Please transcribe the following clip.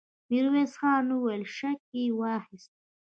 ميرويس خان وويل: شک يې واخيست!